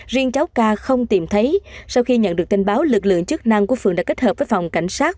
riêng cháu ca không tìm thấy sau khi nhận được tin báo lực lượng chức năng của phường đã kết hợp với phòng cảnh sát